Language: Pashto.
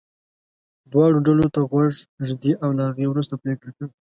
دواړو ډلو ته غوږ ږدي او له هغې وروسته پرېکړه کوي.